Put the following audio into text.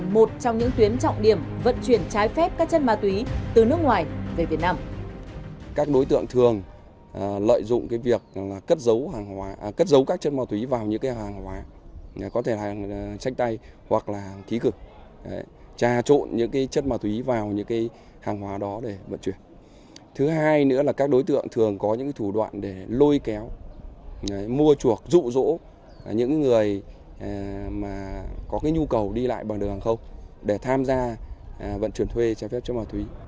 một trong những tuyến trọng điểm vận chuyển cháy phép các chất ma túy từ nước ngoài về việt nam